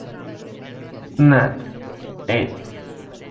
Nat., ed.